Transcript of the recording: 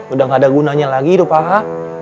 udah gak ada gunanya lagi hidup a a